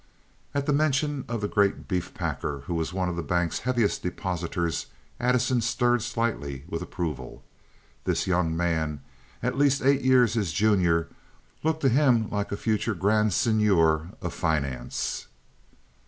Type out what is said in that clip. At the mention of the great beef packer, who was one of the bank's heaviest depositors, Addison stirred slightly with approval. This young man, at least eight years his junior, looked to him like a future grand seigneur of finance.